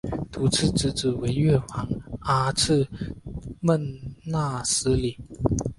秃剌之子为越王阿剌忒纳失里。